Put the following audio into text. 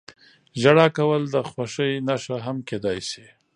• ژړا کول د خوښۍ نښه هم کېدای شي.